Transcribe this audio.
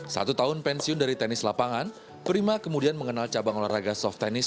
satu tahun pensiun dari tenis lapangan prima kemudian mengenal cabang olahraga soft tennis